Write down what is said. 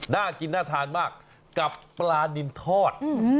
น่ากินน่าทานมากกับปลานินทอด